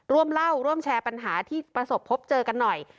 ร่วมเล่าร่วมแชร์ปัญหาที่ประสบพบเจอกันหน่อย